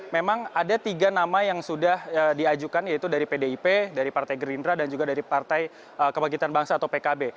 memang ada tiga nama yang sudah diajukan yaitu dari pdip dari partai gerindra dan juga dari partai kebangkitan bangsa atau pkb